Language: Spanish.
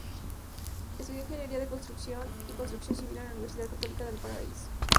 Estudió Ingeniería en Construcción y Construcción Civil en la Universidad Católica de Valparaíso.